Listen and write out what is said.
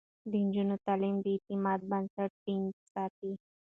د نجونو تعليم د اعتماد بنسټ ټينګ ساتي.